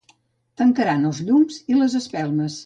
Tancaran els llums i les espelmes.